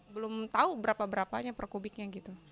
belum tahu berapa berapanya per kubiknya gitu